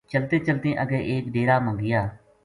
چلتیں چلتیں اَگے ایک ڈیرہ ما گیا